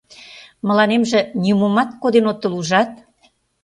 Мыланемже нимомат коден отыл, ужат?..